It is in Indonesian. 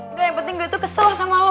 enggak yang penting gue tuh kesel sama lo boy